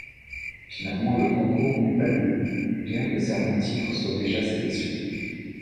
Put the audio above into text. Finalement le concours n'eut pas lieu bien que certains titres soient déjà sélectionnés.